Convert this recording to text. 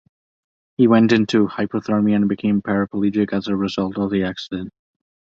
He went into hypothermia and became paraplegic as a result of the accident.